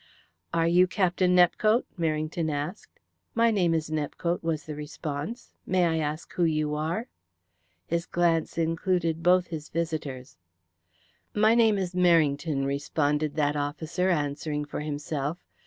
"Are you Captain Nepcote?" Merrington asked. "My name is Nepcote," was the response. "May I ask who you are?" His glance included both his visitors. "My name is Merrington," responded that officer, answering for himself.